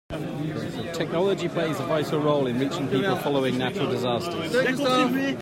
Technology plays a vital role in reaching people following natural disasters.